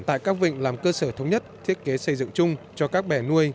tại các vịnh làm cơ sở thống nhất thiết kế xây dựng chung cho các bè nuôi